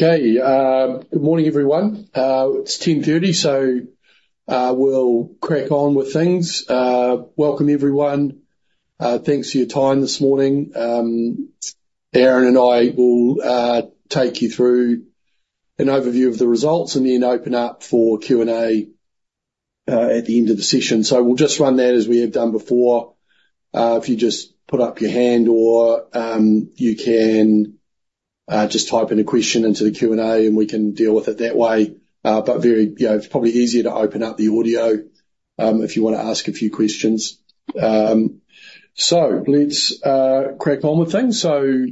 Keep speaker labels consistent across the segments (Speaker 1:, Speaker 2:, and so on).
Speaker 1: Okay, good morning, everyone. It's 10:30 A.M., so we'll crack on with things. Welcome, everyone. Thanks for your time this morning. Aaron and I will take you through an overview of the results and then open up for Q&A at the end of the session. So we'll just run that as we have done before. If you just put up your hand or you can just type in a question into the Q&A, and we can deal with it that way. But you know, it's probably easier to open up the audio if you wanna ask a few questions. So let's crack on with things. So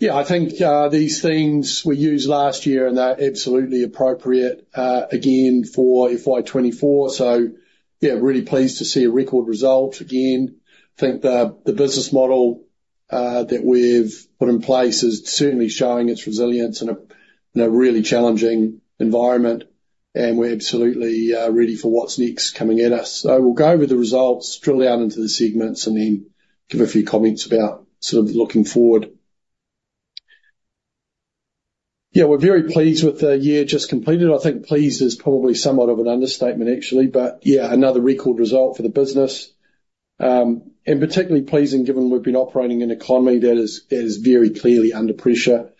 Speaker 1: yeah, I think these themes we used last year, and they're absolutely appropriate again forFY 2024. So, yeah, really pleased to see a record result again. I think the business model that we've put in place is certainly showing its resilience in a really challenging environment, and we're absolutely ready for what's next coming at us. So we'll go over the results, drill down into the segments, and then give a few comments about sort of looking forward. Yeah, we're very pleased with the year just completed. I think pleased is probably somewhat of an understatement, actually. But, yeah, another record result for the business. And particularly pleasing, given we've been operating in an economy that is very clearly under pressure.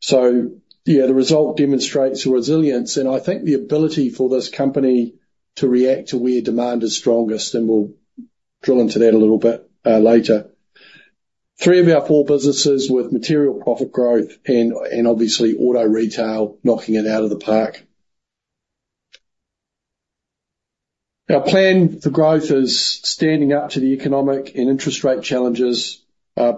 Speaker 1: So, yeah, the result demonstrates the resilience, and I think the ability for this company to react to where demand is strongest, and we'll drill into that a little bit later. Three of our four businesses with material profit growth and, and obviously auto retail knocking it out of the park. Our plan for growth is standing up to the economic and interest rate challenges,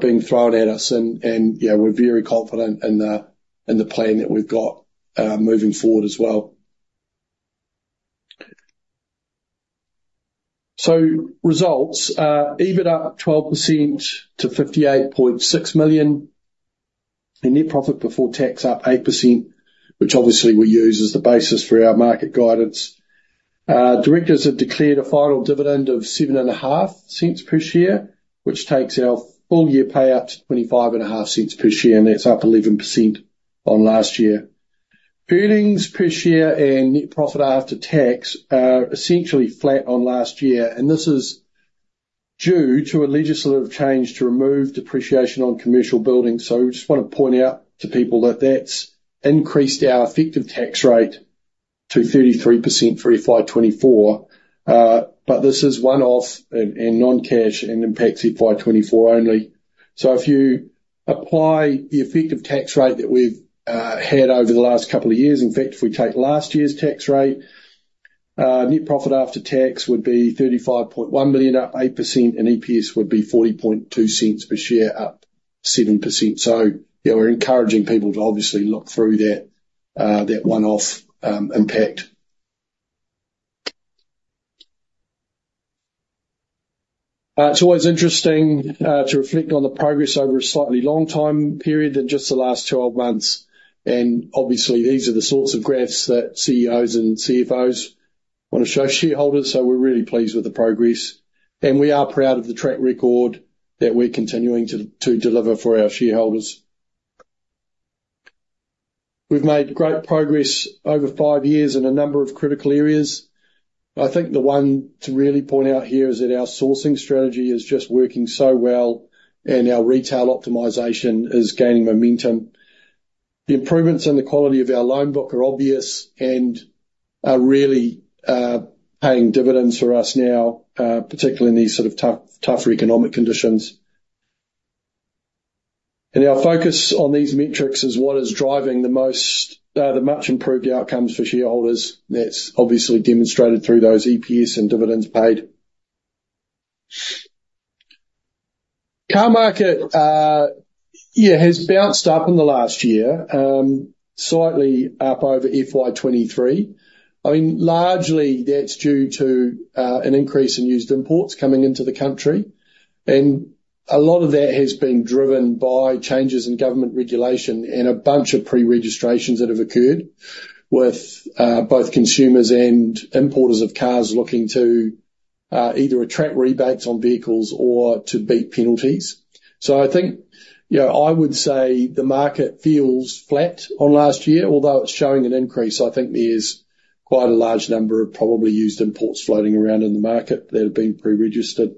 Speaker 1: being thrown at us, and, and, yeah, we're very confident in the, in the plan that we've got, moving forward as well. So results, EBIT up 12% to 58.6 million, and net profit before tax up 8%, which obviously we use as the basis for our market guidance. Directors have declared a final dividend of 0.075 per share, which takes our full-year payout to 0.255 per share, and that's up 11% on last year. Earnings per share and net profit after tax are essentially flat on last year, and this is due to a legislative change to remove depreciation on commercial buildings. So we just want to point out to people that that's increased our effective tax rate to 33% forFY 2024. But this is one-off and non-cash and impactsFY 2024 only. So if you apply the effective tax rate that we've had over the last couple of years, in fact, if we take last year's tax rate, net profit after tax would be 35.1 million, up 8%, and EPS would be 0.402 per share, up 7%. So, yeah, we're encouraging people to obviously look through that one-off impact. It's always interesting to reflect on the progress over a slightly long time period than just the last 12 months, and obviously, these are the sorts of graphs that CEOs and CFOs want to show shareholders, so we're really pleased with the progress, and we are proud of the track record that we're continuing to deliver for our shareholders. We've made great progress over five years in a number of critical areas. I think the one to really point out here is that our sourcing strategy is just working so well, and our retail optimization is gaining momentum. The improvements in the quality of our loan book are obvious and are really paying dividends for us now, particularly in these sort of tough, tougher economic conditions. Our focus on these metrics is what is driving the most, the much improved outcomes for shareholders. That's obviously demonstrated through those EPS and dividends paid. Car market, yeah, has bounced up in the last year, slightly up overFY 2023. I mean, largely that's due to an increase in used imports coming into the country, and a lot of that has been driven by changes in government regulation and a bunch of pre-registrations that have occurred with both consumers and importers of cars looking to either attract rebates on vehicles or to beat penalties. So I think, you know, I would say the market feels flat on last year, although it's showing an increase. I think there's quite a large number of probably used imports floating around in the market that have been pre-registered.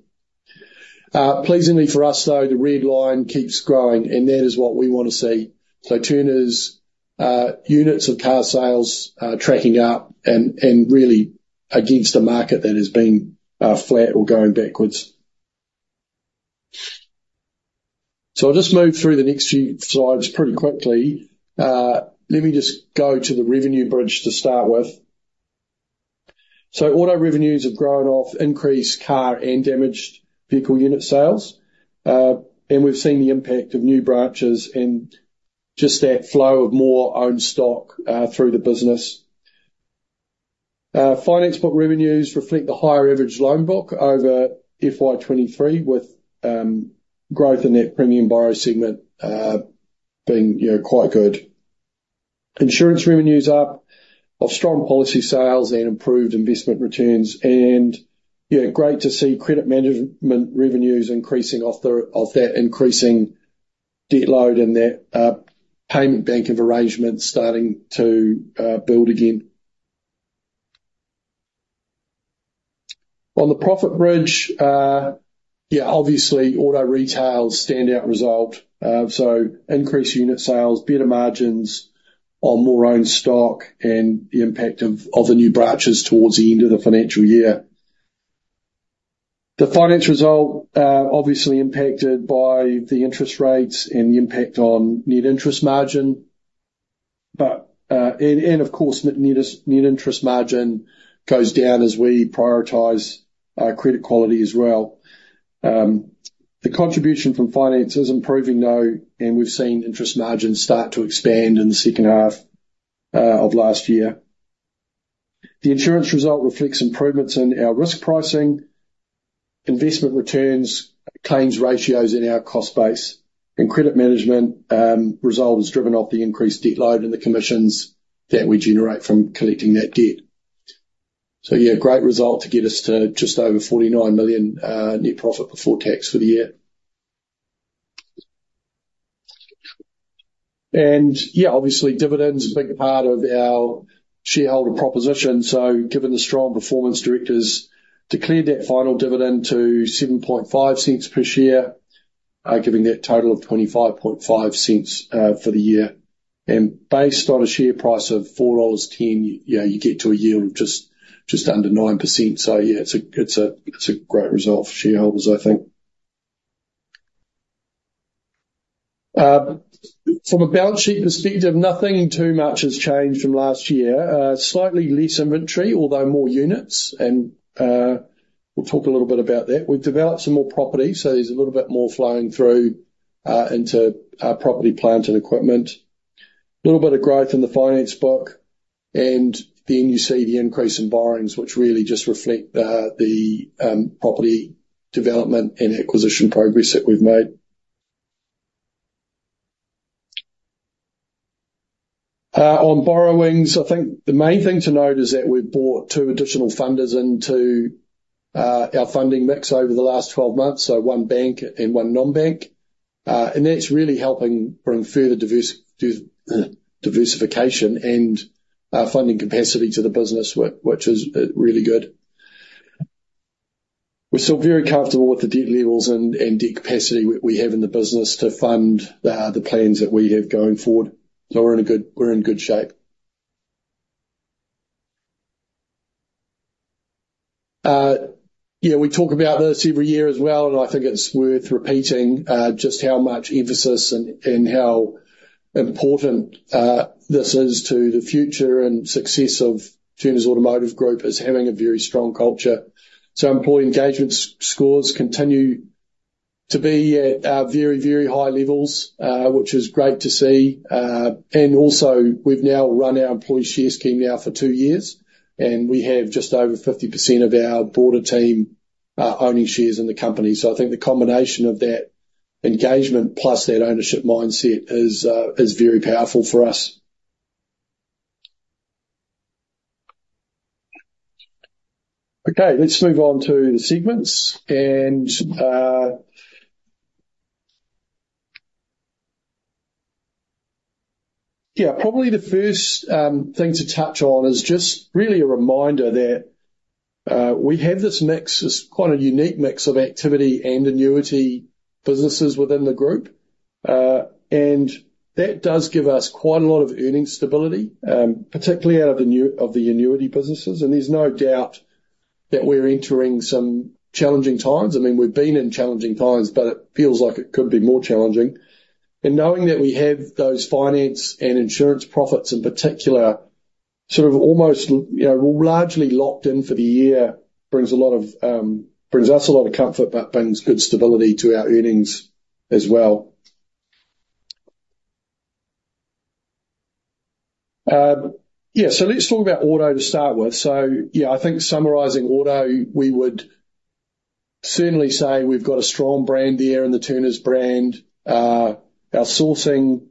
Speaker 1: Pleasingly for us, though, the red line keeps growing, and that is what we want to see. So Turners units of car sales tracking up and really against a market that has been flat or going backwards. So I'll just move through the next few slides pretty quickly. Let me just go to the revenue bridge to start with. So auto revenues have grown off increased car and damaged vehicle unit sales, and we've seen the impact of new branches and just that flow of more own stock through the business. Finance book revenues reflect the higher average loan book overFY 2023, with growth in super prime borrower segment being, you know, quite good. Insurance revenue is up off strong policy sales and improved investment returns. And, yeah, great to see credit management revenues increasing off the back of that increasing debt load and that payment arrangements starting to build again. On the profit bridge, yeah, obviously, auto retail standout result. So increased unit sales, better margins on more own stock, and the impact of the new branches towards the end of the financial year. The finance result, obviously impacted by the interest rates and the impact on net interest margin, but, and of course, net interest margin goes down as we prioritize credit quality as well. The contribution from finance is improving, though, and we've seen interest margins start to expand in the second half of last year. The insurance result reflects improvements in our risk pricing, investment returns, claims ratios in our cost base, and credit management result is driven off the increased debt load and the commissions that we generate from collecting that debt. So, yeah, great result to get us to just over 49 million net profit before tax for the year. Yeah, obviously dividends are a big part of our shareholder proposition, so given the strong performance, directors declared that final dividend to 7.5 cents per share, giving that total of 25.5 cents for the year. And based on a share price of 4.10 dollars, yeah, you get to a yield of just under 9%. So, yeah, it's a great result for shareholders, I think. From a balance sheet perspective, nothing too much has changed from last year. Slightly less inventory, although more units, and we'll talk a little bit about that. We've developed some more property, so there's a little bit more flowing through into our property, plant, and equipment. Little bit of growth in the finance book, and then you see the increase in borrowings, which really just reflect the property development and acquisition progress that we've made. On borrowings, I think the main thing to note is that we've brought two additional funders into our funding mix over the last 12 months, so one bank and one non-bank. And that's really helping bring further diversification and funding capacity to the business, which is really good. We're still very comfortable with the debt levels and debt capacity we have in the business to fund the plans that we have going forward. So we're in good shape. Yeah, we talk about this every year as well, and I think it's worth repeating, just how much emphasis and how important this is to the future and success of Turners Automotive Group, is having a very strong culture. So employee engagement scores continue to be at very, very high levels, which is great to see. And also, we've now run our employee share scheme for two years, and we have just over 50% of our broader team owning shares in the company. So I think the combination of that engagement plus that ownership mindset is very powerful for us. Okay, let's move on to the segments. Yeah, probably the first thing to touch on is just really a reminder that we have this mix, this quite a unique mix of activity and annuity businesses within the group. And that does give us quite a lot of earnings stability, particularly out of the annuity businesses, and there's no doubt that we're entering some challenging times. I mean, we've been in challenging times, but it feels like it could be more challenging. And knowing that we have those finance and insurance profits, in particular, sort of almost, you know, largely locked in for the year, brings us a lot of comfort, but brings good stability to our earnings as well. Yeah, so let's talk about Autos to start with. So, yeah, I think summarizing auto, we would certainly say we've got a strong brand there in the Turners brand. Our sourcing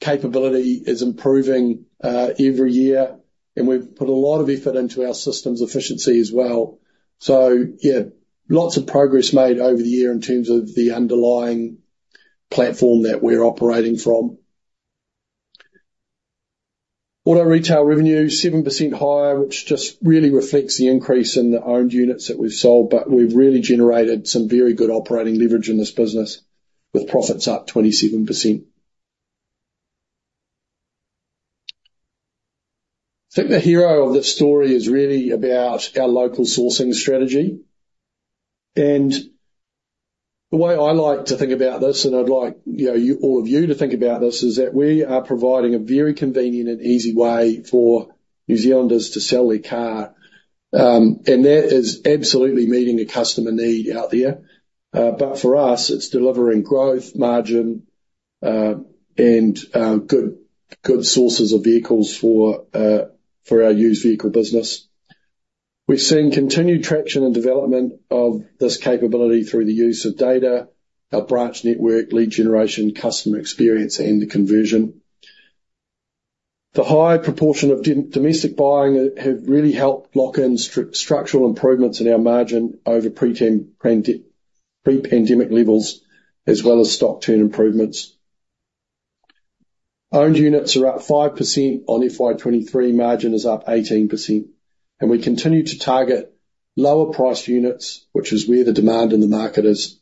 Speaker 1: capability is improving every year, and we've put a lot of effort into our systems efficiency as well. So, yeah, lots of progress made over the year in terms of the underlying platform that we're operating from. Auto retail revenue, 7% higher, which just really reflects the increase in the owned units that we've sold, but we've really generated some very good operating leverage in this business, with profits up 27%. I think the hero of this story is really about our local sourcing strategy, and the way I like to think about this, and I'd like, you know, you, all of you to think about this, is that we are providing a very convenient and easy way for New Zealanders to sell their car, and that is absolutely meeting a customer need out there. But for us, it's delivering growth, margin, and good sources of vehicles for our used vehicle business. We've seen continued traction and development of this capability through the use of data, our branch network, lead generation, customer experience, and conversion. The high proportion of domestic buying have really helped lock in structural improvements in our margin over pre-pandemic levels, as well as stock turn improvements. Owned units are up 5% on FY 2023, margin is up 18%, and we continue to target lower priced units, which is where the demand in the market is.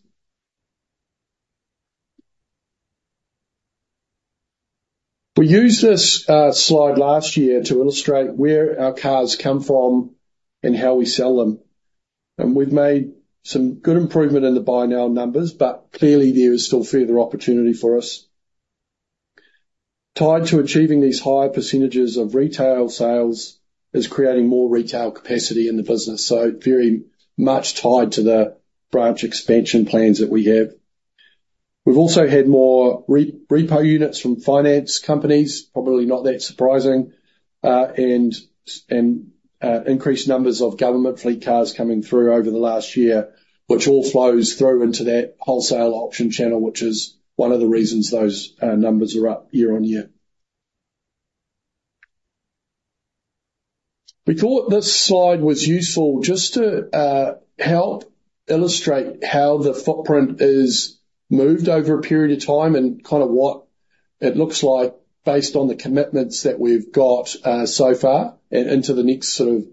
Speaker 1: We used this slide last year to illustrate where our cars come from and how we sell them, and we've made some good improvement in the buy now numbers, but clearly there is still further opportunity for us. Tied to achieving these higher percentages of retail sales is creating more retail capacity in the business, so very much tied to the branch expansion plans that we have. We've also had more repo units from finance companies, probably not that surprising, and increased numbers of government fleet cars coming through over the last year, which all flows through into that wholesale auction channel, which is one of the reasons those numbers are up year-on-year. We thought this slide was useful just to help illustrate how the footprint is moved over a period of time, and kind of what it looks like based on the commitments that we've got so far and into the next sort of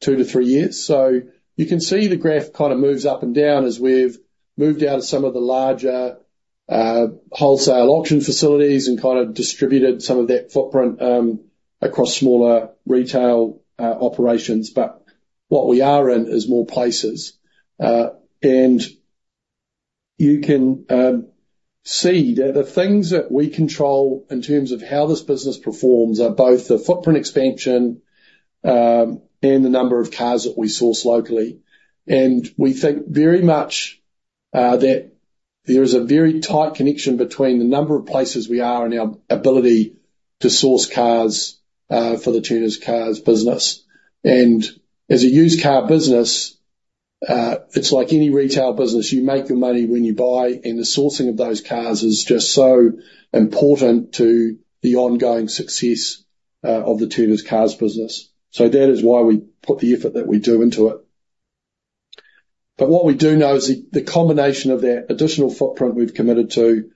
Speaker 1: two to three years. So you can see the graph kind of moves up and down as we've moved out of some of the larger wholesale auction facilities and kind of distributed some of that footprint across smaller retail operations. But what we are in is more places. You can see that the things that we control in terms of how this business performs are both the footprint expansion and the number of cars that we source locally. We think very much that there is a very tight connection between the number of places we are and our ability to source cars for the Turners Cars business. As a used car business, it's like any retail business, you make the money when you buy, and the sourcing of those cars is just so important to the ongoing success of the Turners Cars business. That is why we put the effort that we do into it. But what we do know is the combination of that additional footprint we've committed to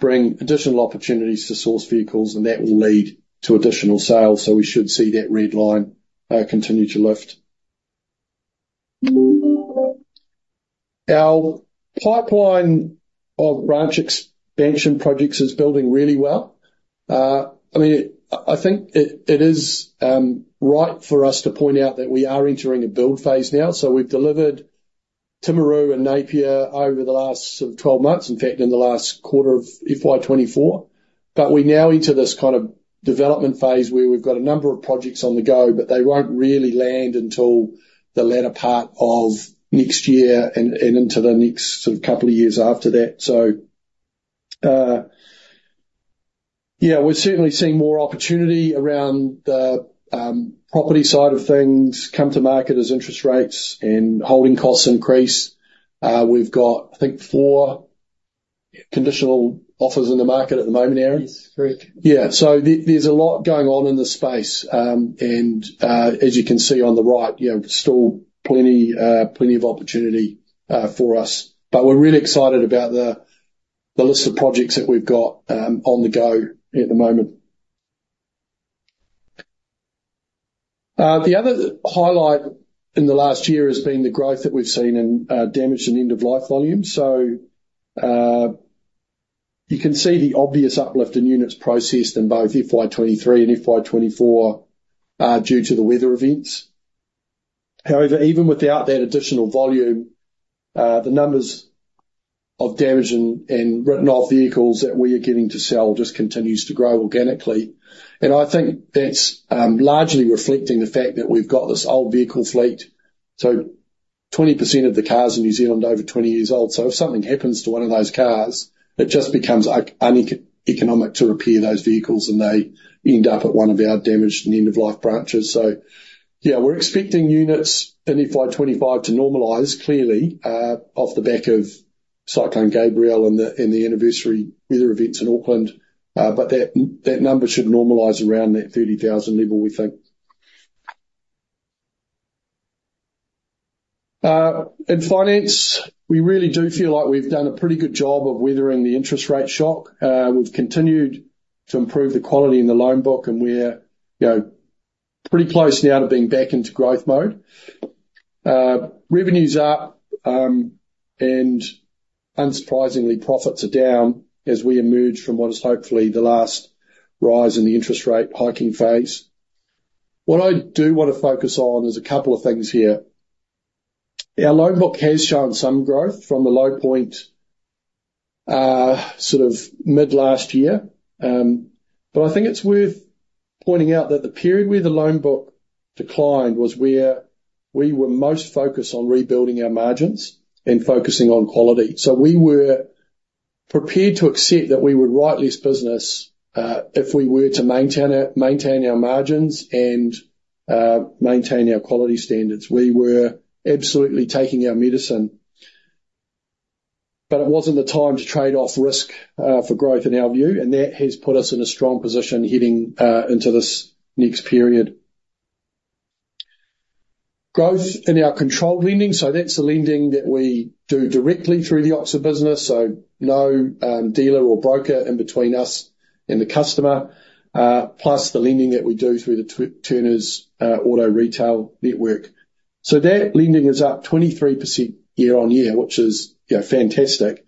Speaker 1: bring additional opportunities to source vehicles, and that will lead to additional sales, so we should see that red line continue to lift. Our pipeline of branch expansion projects is building really well. I mean, I think it is right for us to point out that we are entering a build phase now. So we've delivered Timaru and Napier over the last sort of 12 months, in fact, in the last quarter of FY 2024. But we're now into this kind of development phase where we've got a number of projects on the go, but they won't really land until the latter part of next year and into the next sort of couple of years after that. So, yeah, we're certainly seeing more opportunity around the property side of things come to market as interest rates and holding costs increase. We've got, I think, four conditional offers in the market at the moment, Aaron?
Speaker 2: Yes, correct.
Speaker 1: Yeah. So there's a lot going on in this space. And, as you can see on the right, you know, still plenty, plenty of opportunity, for us. But we're really excited about the list of projects that we've got, on the go at the moment. The other highlight in the last year has been the growth that we've seen in, damaged and end-of-life volume. So, you can see the obvious uplift in units processed in both FY 2023 and FY 2024, due to the weather events. However, even without that additional volume, the numbers of damaged and written-off vehicles that we are getting to sell just continues to grow organically. I think that's largely reflecting the fact that we've got this old vehicle fleet, so 20% of the cars in New Zealand are over 20 years old. So if something happens to one of those cars, it just becomes uneconomic to repair those vehicles, and they end up at one of our damaged and end of life branches. So yeah, we're expecting units in FY 2025 to normalize clearly, off the back of Cyclone Gabrielle and the anniversary weather events in Auckland. But that number should normalize around that 30,000 level, we think. In finance, we really do feel like we've done a pretty good job of weathering the interest rate shock. We've continued to improve the quality in the loan book, and we're, you know, pretty close now to being back into growth mode. Revenue's up, and unsurprisingly, profits are down as we emerge from what is hopefully the last rise in the interest rate hiking phase. What I do want to focus on is a couple of things here. Our loan book has shown some growth from the low point, sort of mid last year. But I think it's worth pointing out that the period where the loan book declined was where we were most focused on rebuilding our margins and focusing on quality. We were prepared to accept that we would write less business, if we were to maintain our, maintain our margins and, maintain our quality standards. We were absolutely taking our medicine, but it wasn't the time to trade off risk, for growth, in our view, and that has put us in a strong position heading, into this next period. Growth in our controlled lending, so that's the lending that we do directly through the Autz business, so no dealer or broker in between us and the customer, plus the lending that we do through the Turners auto retail network. So that lending is up 23% year-on-year, which is, you know, fantastic.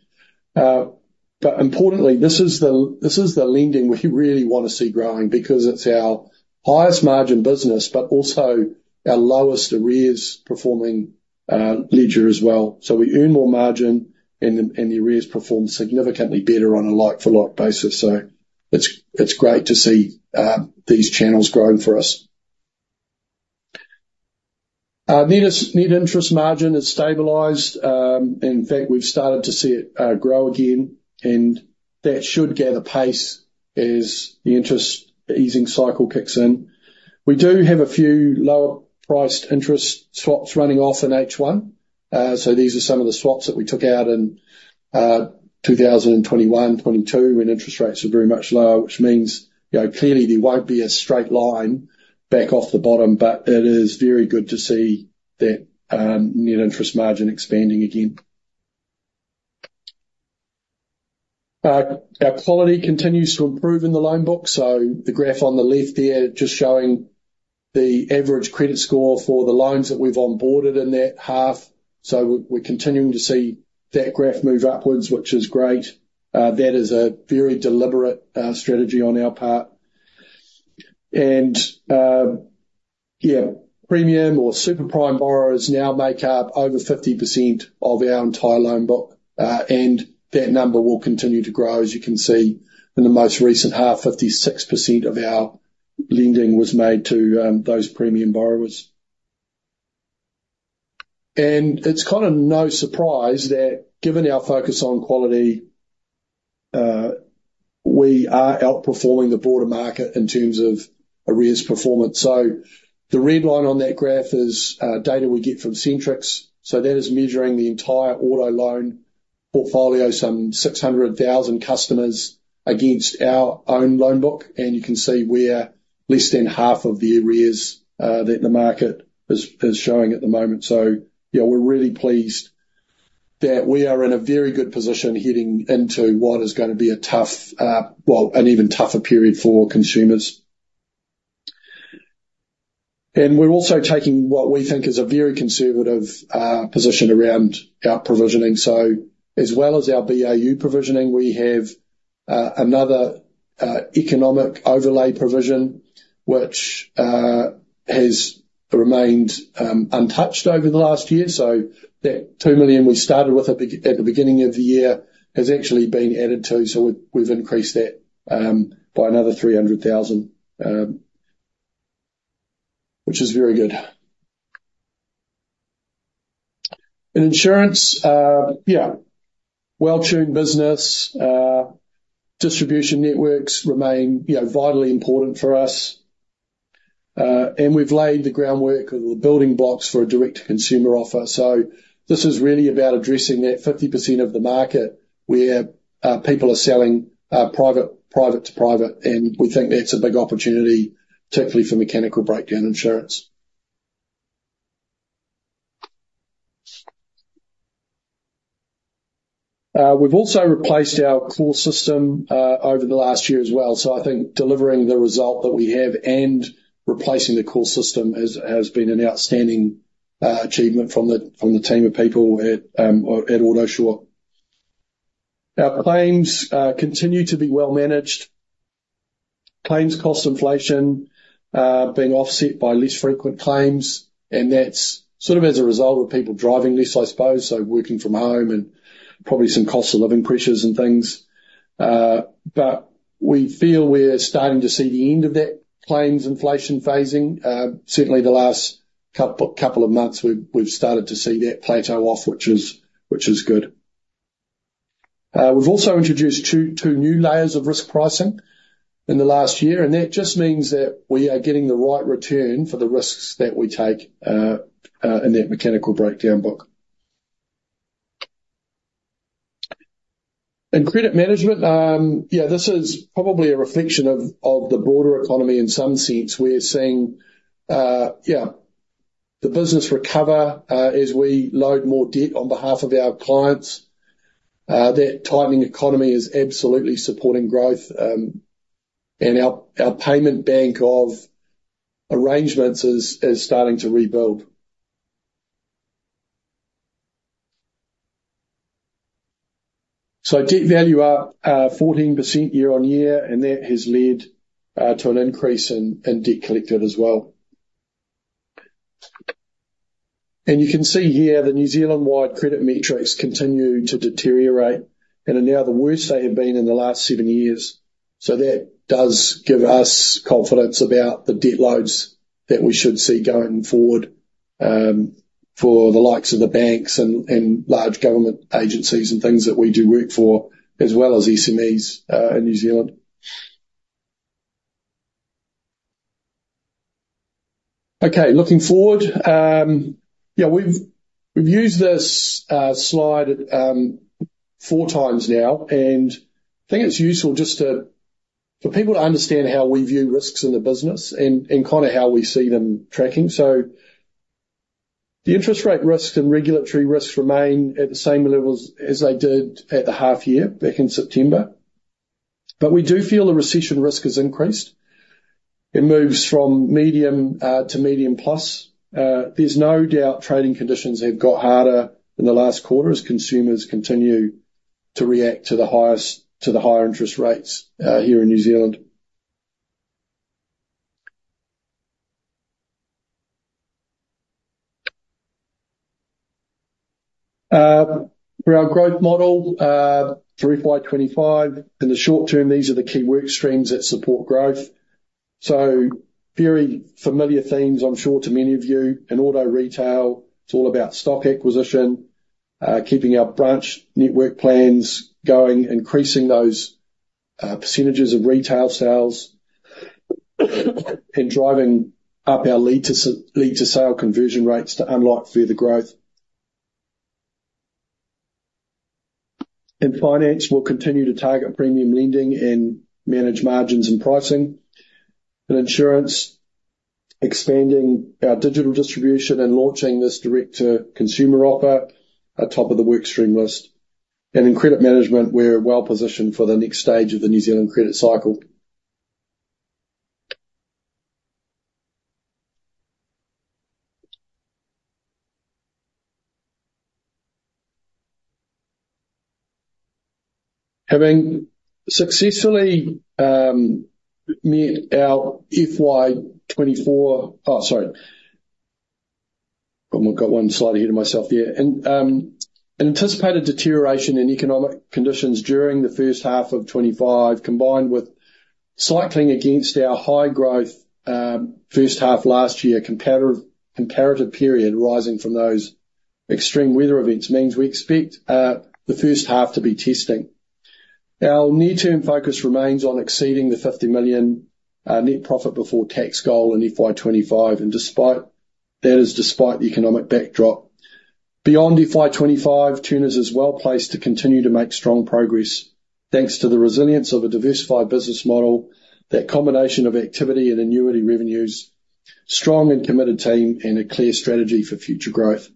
Speaker 1: But importantly, this is the lending we really want to see growing, because it's our highest margin business, but also our lowest arrears performing ledger as well. So we earn more margin, and the arrears perform significantly better on a like-for-like basis. So it's great to see these channels growing for us. Our net interest margin has stabilized. In fact, we've started to see it grow again, and that should gather pace as the interest easing cycle kicks in. We do have a few lower priced interest swaps running off in H1. So these are some of the swaps that we took out in 2021, 2022, when interest rates were very much lower, which means, you know, clearly there won't be a straight line back off the bottom, but it is very good to see that net interest margin expanding again. Our quality continues to improve in the loan book, so the graph on the left there just showing the average credit score for the loans that we've onboarded in that half. So we're, we're continuing to see that graph move upwards, which is great. That is a very deliberate strategy on our part. And, yeah, premium or super prime borrowers now make up over 50% of our entire loan book, and that number will continue to grow. As you can see, in the most recent half, 56% of our lending was made to those premium borrowers. And it's kind of no surprise that given our focus on quality, we are outperforming the broader market in terms of arrears performance. So the red line on that graph is data we get from Centrix. So that is measuring the entire auto loan portfolio, some 600,000 customers, against our own loan book, and you can see we're less than half of the arrears that the market is showing at the moment. So, yeah, we're really pleased that we are in a very good position heading into what is going to be a tough, well, an even tougher period for consumers. And we're also taking what we think is a very conservative position around our provisioning. So as well as our BAU provisioning, we have another economic overlay provision, which has remained untouched over the last year. So that 2 million we started with at the beginning of the year has actually been added to, so we've increased that by another 300,000, which is very good. In insurance, yeah, well-tuned business distribution networks remain, you know, vitally important for us. And we've laid the groundwork or the building blocks for a direct-to-consumer offer. So this is really about addressing that 50% of the market where people are selling private, private to private, and we think that's a big opportunity, particularly for mechanical breakdown insurance. We've also replaced our core system over the last year as well. So I think delivering the result that we have and replacing the core system has been an outstanding achievement from the team of people at Autosure. Our claims continue to be well managed. Claims cost inflation being offset by less frequent claims, and that's sort of as a result of people driving less, I suppose, so working from home and probably some cost of living pressures and things. But we feel we're starting to see the end of that claims inflation phasing. Certainly the last couple of months, we've started to see that plateau off, which is good. We've also introduced two new layers of risk pricing in the last year, and that just means that we are getting the right return for the risks that we take in that mechanical breakdown book. In credit management, this is probably a reflection of the broader economy in some sense. We're seeing the business recover as we load more debt on behalf of our clients. That timing economy is absolutely supporting growth, and our payment bank of arrangements is starting to rebuild. So debt value up 14% year-on-year, and that has led to an increase in debt collected as well. You can see here the New Zealand-wide credit metrics continue to deteriorate, and are now the worst they have been in the last seven years. So that does give us confidence about the debt loads that we should see going forward, for the likes of the banks and large government agencies and things that we do work for, as well as SMEs in New Zealand. Okay, looking forward, yeah, we've used this slide four times now, and I think it's useful just to, for people to understand how we view risks in the business and kind of how we see them tracking. So the interest rate risk and regulatory risks remain at the same levels as they did at the half year, back in September. But we do feel the recession risk has increased. It moves from medium to medium plus. There's no doubt trading conditions have got harder in the last quarter as consumers continue to react to the higher interest rates here in New Zealand. For our growth model for FY 2025, in the short term, these are the key work streams that support growth. So very familiar themes, I'm sure, to many of you. In auto retail, it's all about stock acquisition, keeping our branch network plans going, increasing those percentages of retail sales, and driving up our lead to sale conversion rates to unlock further growth. In finance, we'll continue to target premium lending and manage margins and pricing. In insurance, expanding our digital distribution and launching this direct-to-consumer offer are top of the work stream list. In credit management, we're well positioned for the next stage of the New Zealand credit cycle. Anticipated deterioration in economic conditions during the first half of 2025, combined with cycling against our high growth first half last year comparative period, rising from those extreme weather events, means we expect the first half to be testing. Our near-term focus remains on exceeding the 50 million net profit before tax goal in FY 2025, and despite that is despite the economic backdrop. Beyond FY 2025, Turners is well-placed to continue to make strong progress thanks to the resilience of a diversified business model, that combination of activity and annuity revenues, strong and committed team, and a clear strategy for future growth.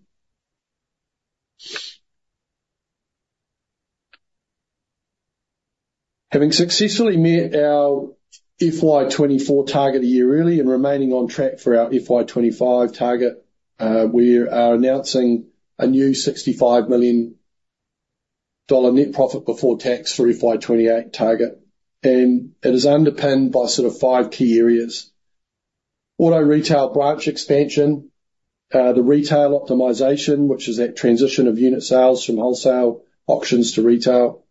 Speaker 1: Having successfully met our FY 2024 target a year early and remaining on track for our FY 2025 target, we are announcing a new NZD 65 million net profit before tax for FY 2028 target, and it is underpinned by sort of five key areas: Auto retail branch expansion; the retail optimization, which is that transition of unit sales from wholesale auctions to retail;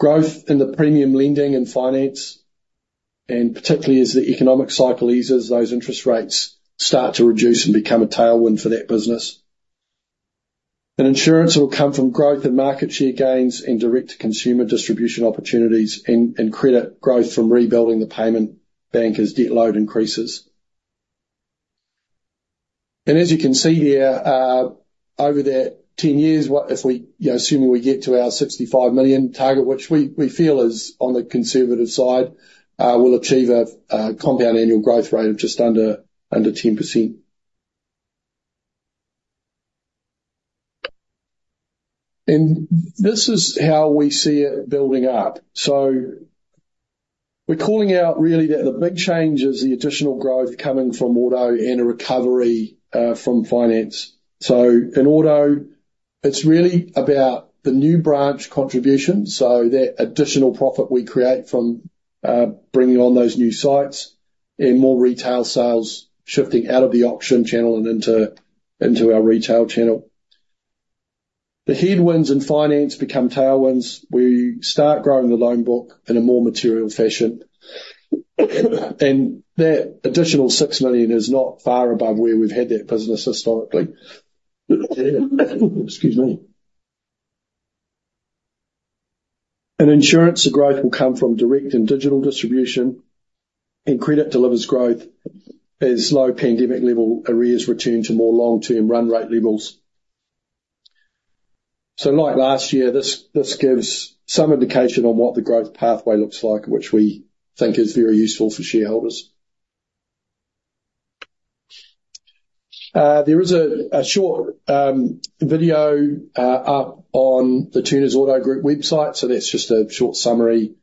Speaker 1: growth in the premium lending and finance, and particularly as the economic cycle eases, those interest rates start to reduce and become a tailwind for that business. And insurance will come from growth in market share gains and direct-to-consumer distribution opportunities, and, and credit growth from rebuilding the payment bank as debt load increases. As you can see here, over that 10 years, if we—you know, assuming we get to our 65 million target, which we feel is on the conservative side, we'll achieve a compound annual growth rate of just under 10%. And this is how we see it building up. So we're calling out really that the big change is the additional growth coming from auto and a recovery from finance. So in auto, it's really about the new branch contribution, so that additional profit we create from bringing on those new sites and more retail sales shifting out of the auction channel and into our retail channel. The headwinds in finance become tailwinds. We start growing the loan book in a more material fashion. And that additional 6 million is not far above where we've had that business historically.
Speaker 2: Excuse me. In insurance, the growth will come from direct and digital distribution, and credit delivers growth as low pandemic level arrears return to more long-term run rate levels. So like last year, this gives some indication on what the growth pathway looks like, which we think is very useful for shareholders. There is a short video up on the Turners Automotive Group website, so that's just a short summary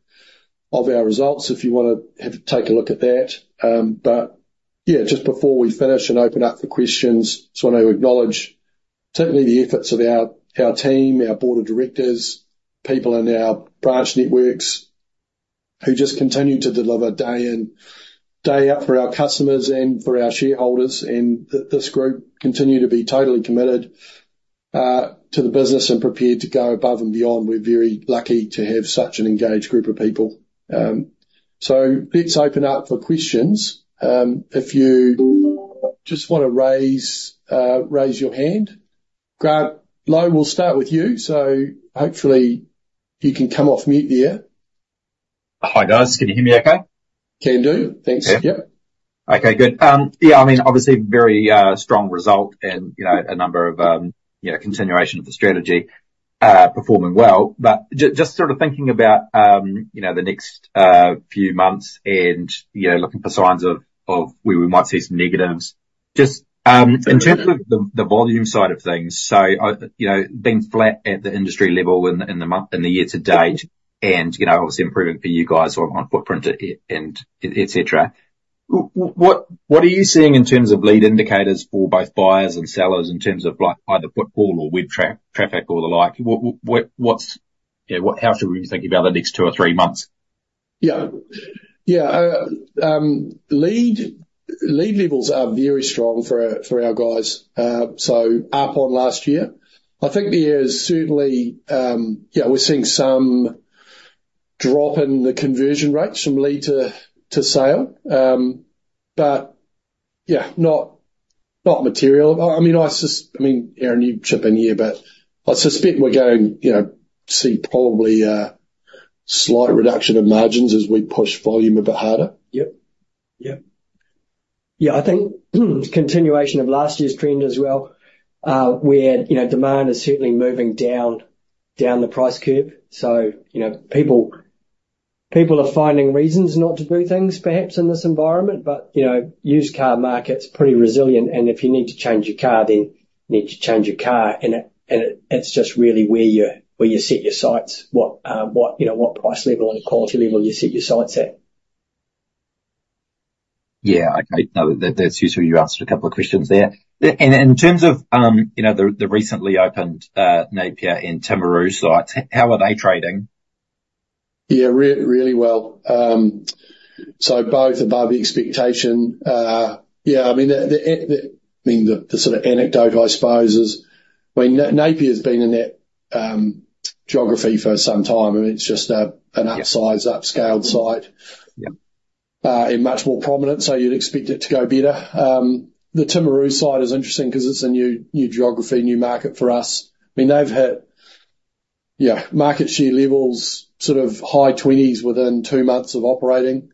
Speaker 2: of our results if you want to take a look at that. But yeah, just before we finish and open up for questions, just want to acknowledge certainly the efforts of our team, our board of directors, people in our branch networks, who just continue to deliver day in, day out for our customers and for our shareholders. And this group continue to be totally committed. to the business and prepared to go above and beyond. We're very lucky to have such an engaged group of people. So let's open up for questions. If you just wanna raise your hand. Grant Lowe, we'll start with you, so hopefully you can come off mute there.
Speaker 3: Hi, guys. Can you hear me okay?
Speaker 1: Can do. Thanks.
Speaker 3: Yeah.
Speaker 1: Yep.
Speaker 3: Okay, good. Yeah, I mean, obviously very strong result and, you know, a number of, you know, continuation of the strategy performing well. But just sort of thinking about, you know, the next few months and, you know, looking for signs of where we might see some negatives. Just in terms of the volume side of things, so, you know, being flat at the industry level in the month in the year to date, and, you know, obviously improvement for you guys on footprint and et cetera, what are you seeing in terms of lead indicators for both buyers and sellers in terms of, like, either footfall or web traffic or the like? What, how should we be thinking about the next two or three months?
Speaker 1: Yeah. Yeah, lead levels are very strong for our guys, so up on last year. I think the year is certainly, yeah, we're seeing some drop in the conversion rates from lead to sale. But yeah, not material. I mean, Aaron, you chip in here, but I suspect we're going, you know, see probably a slight reduction in margins as we push volume a bit harder.
Speaker 4: Yep. Yep. Yeah, I think continuation of last year's trend as well, where, you know, demand is certainly moving down, down the price curve. So, you know, people, people are finding reasons not to do things, perhaps, in this environment, but, you know, used car market's pretty resilient, and if you need to change your car, then you need to change your car, and it, and it, it's just really where you, where you set your sights, what, what, you know, what price level and quality level you set your sights at.
Speaker 3: Yeah, okay. No, that, that's useful. You answered a couple of questions there. And in terms of, you know, the recently opened, Napier and Timaru sites, how are they trading?
Speaker 1: Yeah, really well. So both above expectation. Yeah, I mean, the sort of anecdote, I suppose, is, I mean, Napier's been in that geography for some time, and it's just a-
Speaker 3: Yeah...
Speaker 1: an upsized, upscaled site.
Speaker 3: Yep.
Speaker 1: And much more prominent, so you'd expect it to go better. The Timaru site is interesting 'cause it's a new, new geography, new market for us. I mean, they've had, yeah, market share levels, sort of high 20s within two months of operating.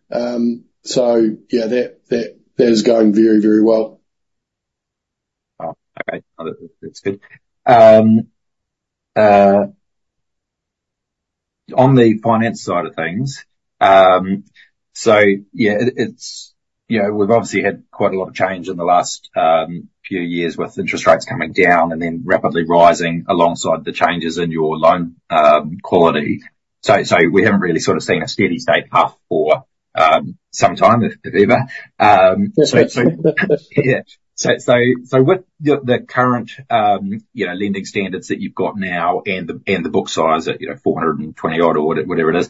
Speaker 1: So yeah, that, that, that is going very, very well.
Speaker 3: Oh, okay. That's, that's good. On the finance side of things, so yeah, it, it's, you know, we've obviously had quite a lot of change in the last few years with interest rates coming down and then rapidly rising alongside the changes in your loan quality. So, so we haven't really sort of seen a steady state path for some time, if, if ever.
Speaker 1: Yes, that's true....
Speaker 3: Yeah. So with the current, you know, lending standards that you've got now and the book size at, you know, 420 odd or whatever it is,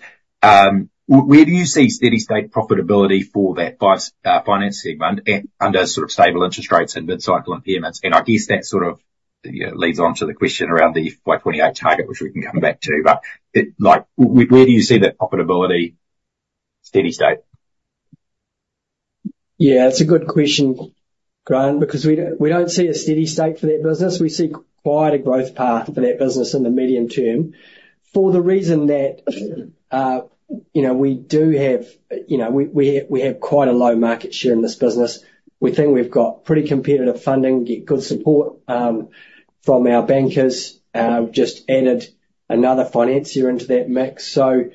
Speaker 3: where do you see steady state profitability for that finance finance segment at, under sort of stable interest rates and mid-cycle impairments? And I guess that sort of, you know, leads on to the question around the FY 2028 target, which we can come back to, but, it like, where do you see that profitability steady state?
Speaker 4: Yeah, it's a good question, Grant, because we don't, we don't see a steady state for that business. We see quite a growth path for that business in the medium term, for the reason that, you know, we do have, you know, we, we, we have quite a low market share in this business. We think we've got pretty competitive funding, get good support from our bankers, just added another financier into that mix. So,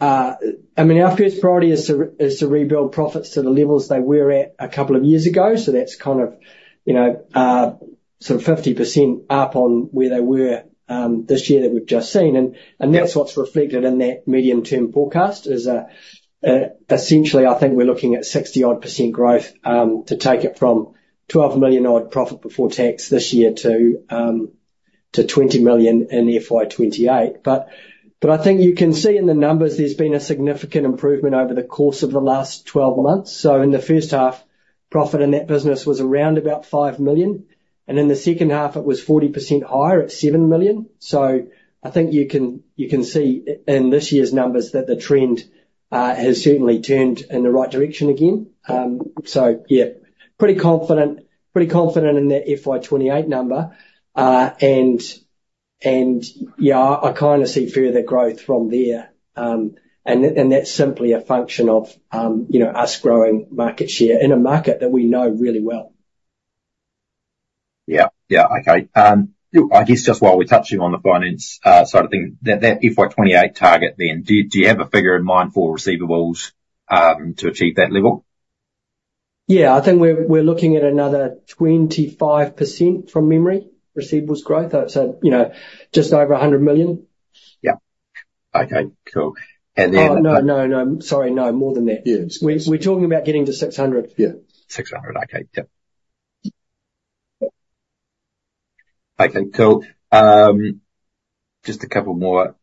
Speaker 4: I mean, our first priority is to rebuild profits to the levels they were at a couple of years ago. So that's kind of, you know, sort of 50% up on where they were, this year that we've just seen, and that's what's reflected in that medium-term forecast, is, essentially, I think we're looking at 60+% growth, to take it from 12 million odd profit before tax this year to, to 20 million in FY28. But I think you can see in the numbers there's been a significant improvement over the course of the last 12 months. So in the first half, profit in that business was around about 5 million, and in the second half, it was 40% higher at 7 million. So I think you can see in this year's numbers that the trend has certainly turned in the right direction again. So yeah, pretty confident, pretty confident in that FY 2028 number. And yeah, I kind of see further growth from there. And that's simply a function of, you know, us growing market share in a market that we know really well.
Speaker 3: Yeah. Yeah, okay. Look, I guess just while we're touching on the finance side of things, that, that FY 2028 target then, do, do you have a figure in mind for receivables to achieve that level?
Speaker 4: Yeah, I think we're looking at another 25% from memory, receivables growth. So, you know, just over 100 million.
Speaker 3: Yeah. Okay, cool. And then-
Speaker 4: Oh, no, no, no, sorry, no, more than that.
Speaker 3: Yeah.
Speaker 4: We're talking about getting to 600.
Speaker 3: Yeah, 600. Okay, yep. Okay, cool. Just a couple more.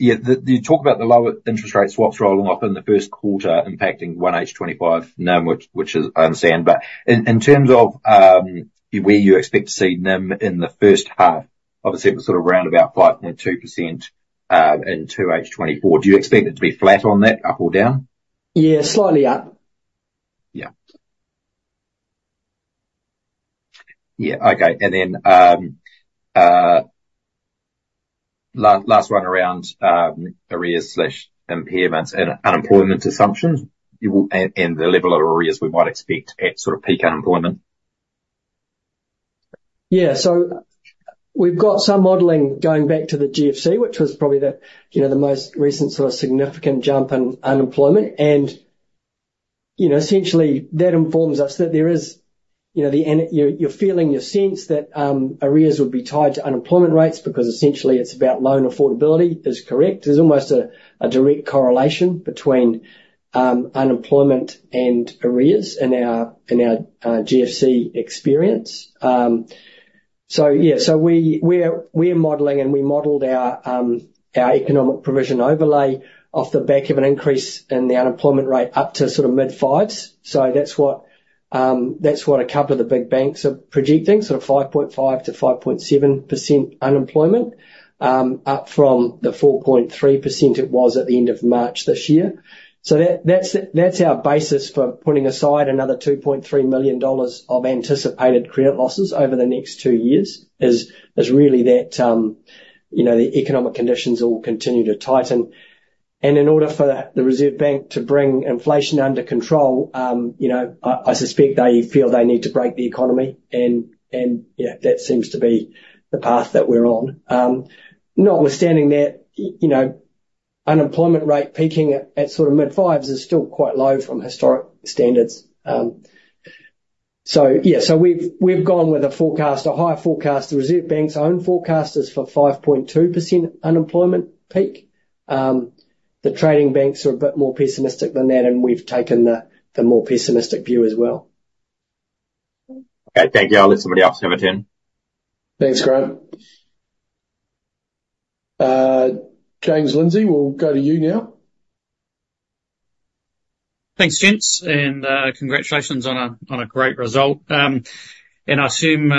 Speaker 3: Yeah, you talk about the lower interest rate swaps rolling off in the first quarter, impacting 1H 2025 NIM, which is, I understand, but in terms of, where you expect to see NIM in the first half, obviously it was sort of round about 5.2% in 2H 2024. Do you expect it to be flat on that, up or down?
Speaker 4: Yeah, slightly up.
Speaker 3: Yeah. Yeah, okay, and then, last one around arrears slash impairments and unemployment assumptions, and the level of arrears we might expect at sort of peak unemployment.
Speaker 4: Yeah, so we've got some modeling going back to the GFC, which was probably the, you know, the most recent sort of significant jump in unemployment, and, you know, essentially, that informs us that there is, you know, the answer, your feeling, your sense that arrears would be tied to unemployment rates because essentially it's about loan affordability is correct. There's almost a direct correlation between unemployment and arrears in our GFC experience. So yeah, so we're modeling, and we modeled our economic overlay provision off the back of an increase in the unemployment rate up to sort of mid-fives. So that's what a couple of the big banks are projecting, sort of 5.5%-5.7% unemployment, up from the 4.3% it was at the end of March this year. So that's our basis for putting aside another 2.3 million dollars of anticipated credit losses over the next two years, is really that, you know, the economic conditions all continue to tighten. And in order for the Reserve Bank to bring inflation under control, you know, I suspect they feel they need to break the economy, and, you know, that seems to be the path that we're on. Notwithstanding that, you know, unemployment rate peaking at sort of mid-fives is still quite low from historic standards. So yeah, so we've gone with a forecast, a higher forecast. The Reserve Bank's own forecast is for 5.2% unemployment peak. The trading banks are a bit more pessimistic than that, and we've taken the more pessimistic view as well.
Speaker 3: Okay, thank you. I'll let somebody else have a turn.
Speaker 1: Thanks, Graham. James Lindsay, we'll go to you now.
Speaker 5: Thanks, gents, and congratulations on a great result. I assume,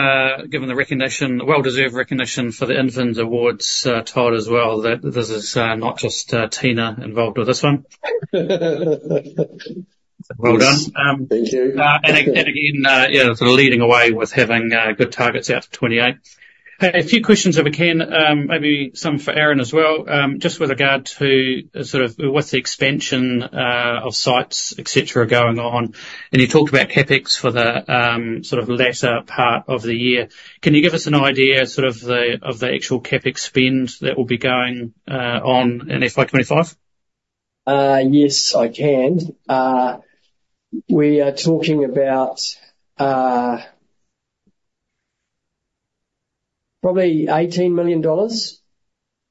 Speaker 5: given the recognition, the well-deserved recognition for the Infinz awards, Todd as well, that this is not just Tina involved with this one. Well done.
Speaker 1: Thank you.
Speaker 5: And again, yeah, sort of leading away with having good targets out to 28. A few questions if I can, maybe some for Aaron as well. Just with regard to sort of with the expansion of sites, et cetera, going on, and you talked about CapEx for the sort of latter part of the year. Can you give us an idea, sort of the of the actual CapEx spend that will be going on in FY 2025?
Speaker 4: Yes, I can. We are talking about probably 18 million dollars,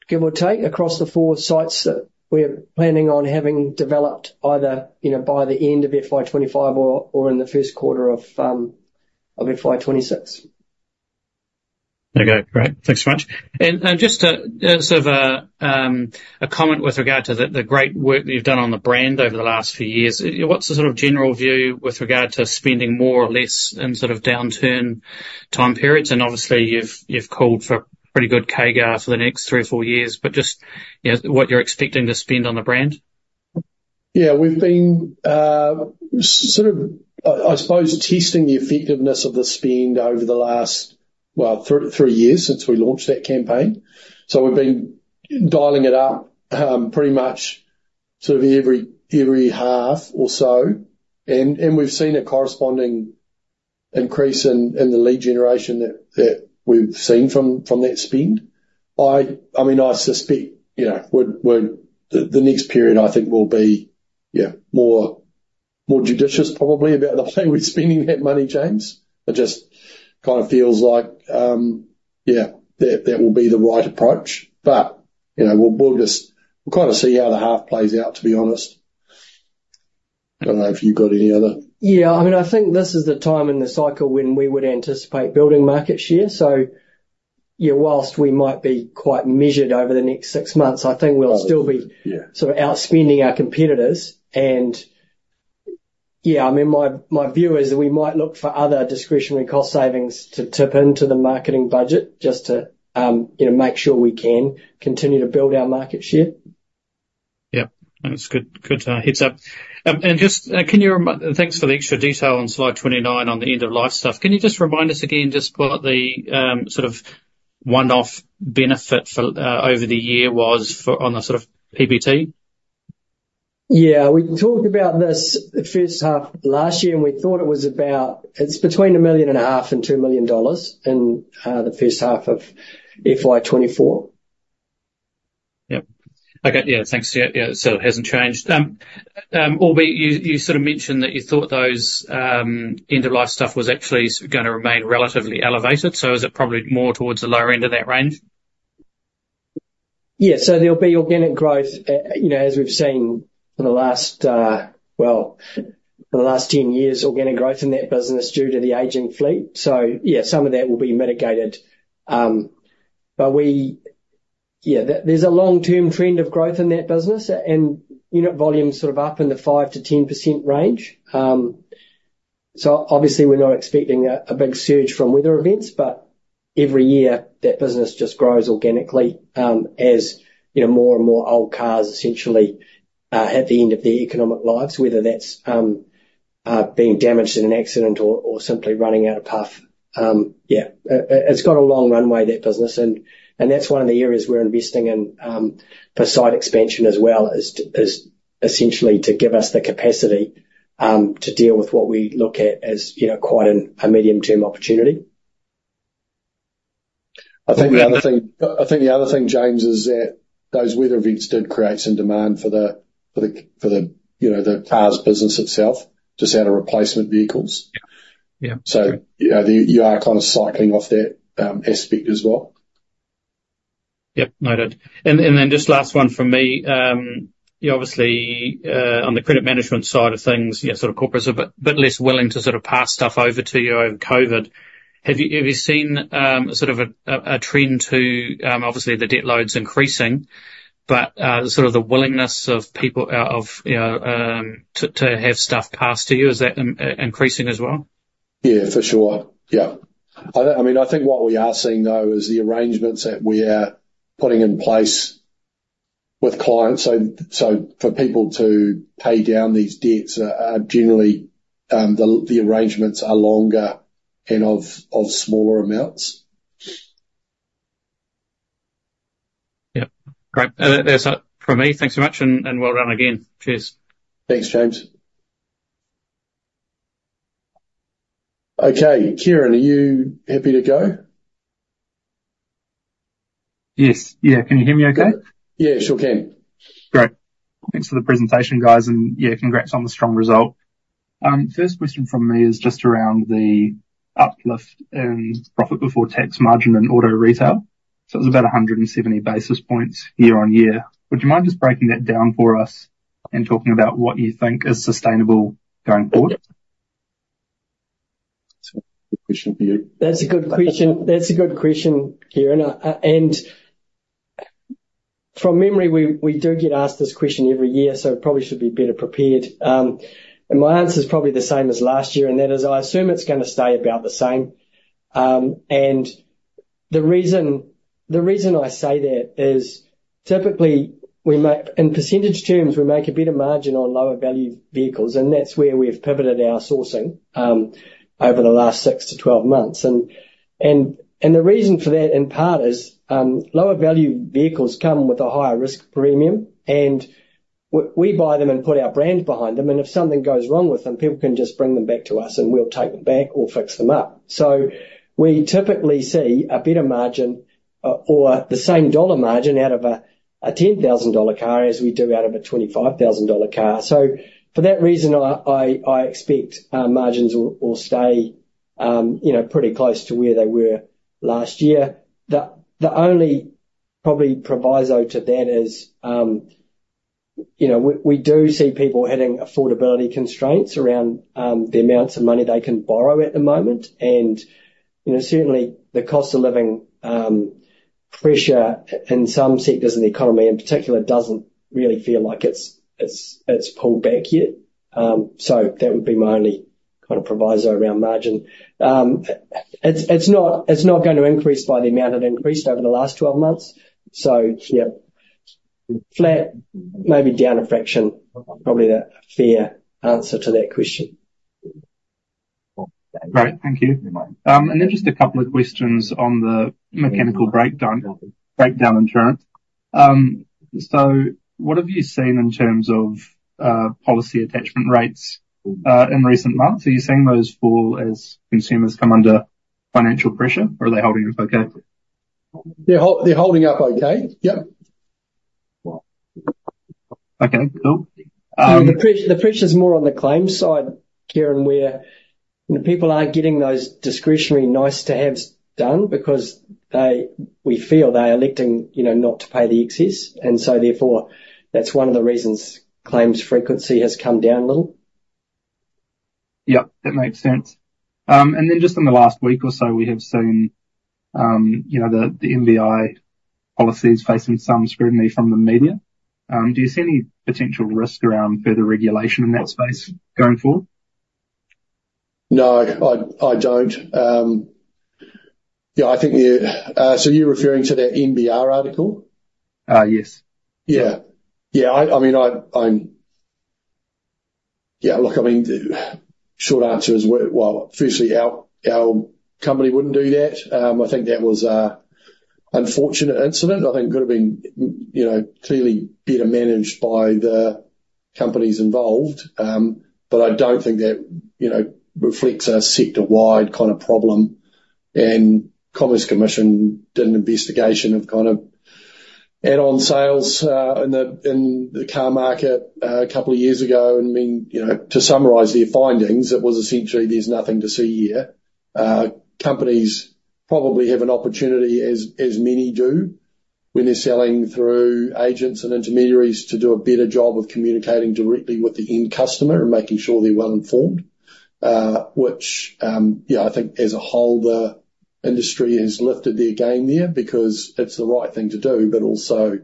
Speaker 4: give or take, across the 4 sites that we're planning on having developed either, you know, by the end of FY 2025 or in the first quarter of FY 2026.
Speaker 5: Okay, great. Thanks very much. And just a, as sort of a comment with regard to the great work that you've done on the brand over the last few years. What's the sort of general view with regard to spending more or less in sort of downturn time periods? And obviously, you've called for pretty good CAGR for the next three or four years, but just, you know, what you're expecting to spend on the brand.
Speaker 1: Yeah, we've been sort of, I suppose, testing the effectiveness of the spend over the last, well, three years since we launched that campaign. So we've been dialing it up pretty much sort of every half or so, and we've seen a corresponding increase in the lead generation that we've seen from that spend. I mean, I suspect, you know, the next period I think will be, yeah, more judicious, probably, about the way we're spending that money, James. It just kind of feels like, yeah, that will be the right approach, but, you know, we'll kind of see how the half plays out, to be honest. I don't know if you've got any other...
Speaker 4: Yeah, I mean, I think this is the time in the cycle when we would anticipate building market share. So, yeah, whilst we might be quite measured over the next six months, I think we'll still be-
Speaker 1: Yeah...
Speaker 4: sort of outspending our competitors. And yeah, I mean, my, my view is that we might look for other discretionary cost savings to tip into the marketing budget just to, you know, make sure we can continue to build our market share.
Speaker 5: Yeah. That's good, good, heads-up. Just, thanks for the extra detail on slide 29 on the end-of-life stuff. Can you just remind us again just what the sort of one-off benefit for over the year was for on the sort of PBT?
Speaker 4: Yeah, we talked about this the first half of last year, and we thought it was about... It's between 1.5 million and 2 million dollars in the first half of FY 2024.
Speaker 5: Yep. Okay, yeah, thanks. Yeah, yeah, so it hasn't changed. Albeit you sort of mentioned that you thought those end-of-life stuff was actually gonna remain relatively elevated, so is it probably more towards the lower end of that range?...
Speaker 4: Yeah, so there'll be organic growth, you know, as we've seen in the last, well, for the last 10 years, organic growth in that business due to the aging fleet. So yeah, some of that will be mitigated. But yeah, there's a long-term trend of growth in that business, and unit volume is sort of up in the 5%-10% range. So obviously, we're not expecting a big surge from weather events, but every year, that business just grows organically, as you know, more and more old cars essentially hit the end of their economic lives, whether that's being damaged in an accident or simply running out of puff. Yeah, it's got a long runway, that business, and that's one of the areas we're investing in for site expansion as well, is essentially to give us the capacity to deal with what we look at as, you know, quite a medium-term opportunity.
Speaker 1: I think the other thing, James, is that those weather events did create some demand for the, you know, the cars business itself, just out of replacement vehicles.
Speaker 4: Yeah. Yeah.
Speaker 1: You are kind of cycling off that aspect as well.
Speaker 5: Yep, noted. And then just last one from me. Yeah, obviously, on the credit management side of things, you know, sort of corporates are a bit less willing to sort of pass stuff over to you over COVID. Have you seen sort of a trend to, obviously the debt load's increasing, but sort of the willingness of people out of, you know, to have stuff passed to you, is that increasing as well?
Speaker 1: Yeah, for sure. Yeah. I mean, I think what we are seeing, though, is the arrangements that we are putting in place with clients. So for people to pay down these debts are generally the arrangements are longer and of smaller amounts.
Speaker 5: Yep. Great. That's it from me. Thanks so much, and, and well done again. Cheers.
Speaker 1: Thanks, James. Okay, Kieran, are you happy to go?
Speaker 6: Yes. Yeah. Can you hear me okay?
Speaker 1: Yeah, sure can.
Speaker 6: Great. Thanks for the presentation, guys, and, yeah, congrats on the strong result. First question from me is just around the uplift in profit before tax margin in auto retail. So it was about 170 basis points year-on-year. Would you mind just breaking that down for us and talking about what you think is sustainable going forward?
Speaker 1: That's a good question for you.
Speaker 4: That's a good question. That's a good question, Kieran. And from memory, we, we do get asked this question every year, so probably should be better prepared. And my answer is probably the same as last year, and that is, I assume it's gonna stay about the same. And the reason, the reason I say that is typically we make, in percentage terms, we make a better margin on lower-value vehicles, and that's where we've pivoted our sourcing, over the last 6-12 months. And the reason for that, in part, is, lower-value vehicles come with a higher risk premium, and we buy them and put our brand behind them, and if something goes wrong with them, people can just bring them back to us, and we'll take them back or fix them up. So we typically see a better margin, or the same dollar margin out of a 10,000 dollar car as we do out of a 25,000 dollar car. So for that reason, I expect margins will stay, you know, pretty close to where they were last year. The only probably proviso to that is, you know, we do see people hitting affordability constraints around the amounts of money they can borrow at the moment, and, you know, certainly the cost of living pressure in some sectors of the economy, in particular, doesn't really feel like it's pulled back yet. So that would be my only kind of proviso around margin. It's not going to increase by the amount it increased over the last 12 months. So yeah, flat, maybe down a fraction, probably the fair answer to that question.
Speaker 6: Great. Thank you.
Speaker 1: You're welcome.
Speaker 6: And then just a couple of questions on the mechanical breakdown insurance. So what have you seen in terms of policy attachment rates in recent months? Are you seeing those fall as consumers come under financial pressure, or are they holding up okay?
Speaker 4: They're holding up okay. Yep.
Speaker 6: Okay, cool.
Speaker 4: The pressure, the pressure's more on the claims side, Kieran, where the people aren't getting those discretionary nice-to-haves done because they, we feel, they are electing, you know, not to pay the excess, and so therefore, that's one of the reasons claims frequency has come down a little.
Speaker 6: Yep, that makes sense. And then just in the last week or so, we have seen, you know, the MBI policies facing some scrutiny from the media. Do you see any potential risk around further regulation in that space going forward?
Speaker 1: No, I, I don't. Yeah, I think the... So you're referring to that NBR article?
Speaker 6: Uh, yes.
Speaker 1: Yeah. Yeah, I mean, I'm... Yeah, look, I mean, the short answer is, well, firstly, our company wouldn't do that. I think that was an unfortunate incident. I think it could have been, you know, clearly better managed by the companies involved, but I don't think that, you know, reflects a sector-wide kind of problem. And Commerce Commission did an investigation of kind of add-on sales, in the car market, a couple of years ago, and, I mean, you know, to summarize their findings, it was essentially there's nothing to see here. Companies probably have an opportunity, as many do, when they're selling through agents and intermediaries, to do a better job of communicating directly with the end customer and making sure they're well-informed. Which, yeah, I think as a whole, the industry has lifted their game there because it's the right thing to do, but also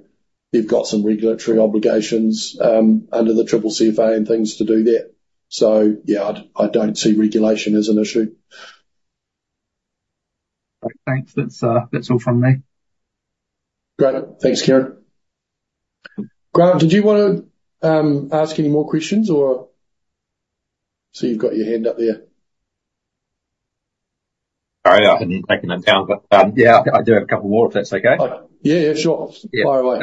Speaker 1: you've got some regulatory obligations under the CCCFA and things to do there. So, yeah, I don't see regulation as an issue.
Speaker 3: Thanks. That's, that's all from me.
Speaker 1: Great. Thanks, Kieran. Grant, did you wanna ask any more questions or...? I see you've got your hand up there.
Speaker 3: Sorry, I hadn't taken that down, but, yeah, I do have a couple more, if that's okay.
Speaker 1: Yeah, yeah, sure. Fire away.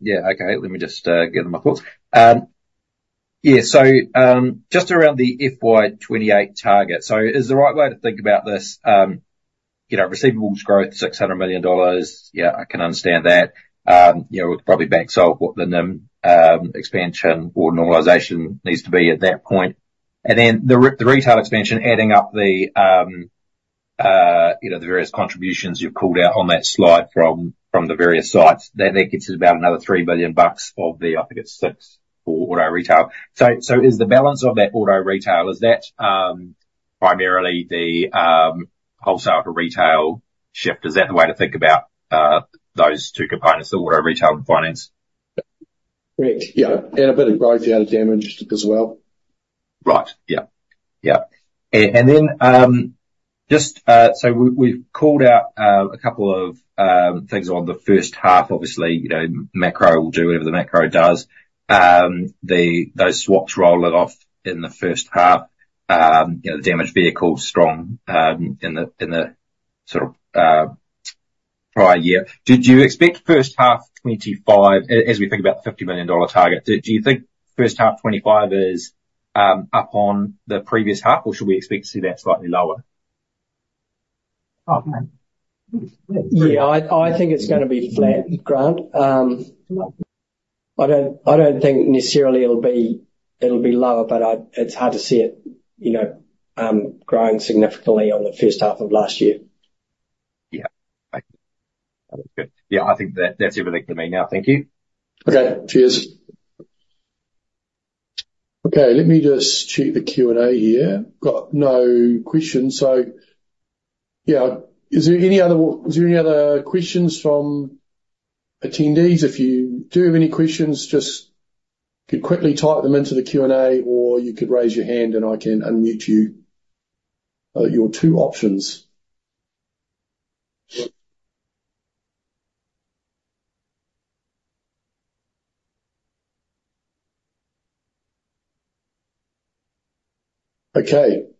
Speaker 3: Yeah, okay. Let me just get my thoughts. Yeah, so, just around the FY 2028 target. So is the right way to think about this, you know, receivables growth, 600 million dollars. Yeah, I can understand that. You know, it probably backs out what the NIM expansion or normalization needs to be at that point. And then the retail expansion, adding up the, you know, the various contributions you've called out on that slide from the various sites, that gets us about another 3 billion bucks of the, I think it's six for auto retail. So is the balance of that auto retail, is that primarily the wholesale to retail shift? Is that the way to think about those two components, the auto retail and finance?
Speaker 1: Great. Yeah, and a bit of growth out of damage as well.
Speaker 3: Right. Yeah. Yeah. And then, just, so we've called out a couple of things on the first half. Obviously, you know, macro will do whatever the macro does. Those swaps rolling off in the first half, you know, the damaged vehicles strong in the sort of prior year. Did you expect first half 2025, as we think about the 50 million dollar target, do you think first half 2025 is up on the previous half, or should we expect to see that slightly lower?
Speaker 1: Oh, yeah. I, I think it's gonna be flat, Grant. I don't, I don't think necessarily it'll be, it'll be lower, but it's hard to see it, you know, growing significantly on the first half of last year.
Speaker 3: Yeah. Thank you. Yeah, I think that's everything for me now. Thank you.
Speaker 1: Okay, cheers. Okay, let me just check the Q&A here. Got no questions, so yeah. Is there any other, is there any other questions from attendees? If you do have any questions, just you could quickly type them into the Q&A, or you could raise your hand and I can unmute you. Your two options. Okay,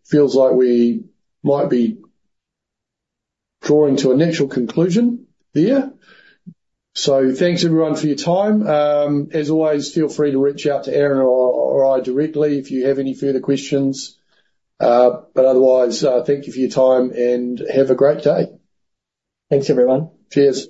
Speaker 1: feels like we might be drawing to a natural conclusion here. So thanks, everyone, for your time. As always, feel free to reach out to Aaron or I directly if you have any further questions. But otherwise, thank you for your time, and have a great day.
Speaker 2: Thanks, everyone.
Speaker 1: Cheers.